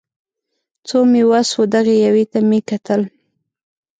څو مې وس و دغې یوې ته مې کتل